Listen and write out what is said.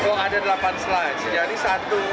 oh ada delapan slice jadi satu itu delapan